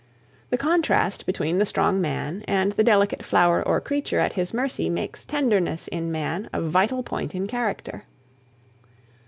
The contrast between the strong man and the delicate flower or creature at his mercy makes tenderness in man a vital point in character.